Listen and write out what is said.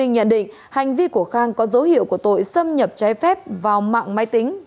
nhận định hành vi của khang có dấu hiệu của tội xâm nhập trái phép vào mạng máy tính